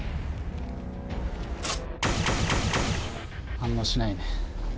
反応しないね。